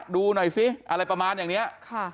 ดูหน่อยซิอะไรประมาณอย่างนี้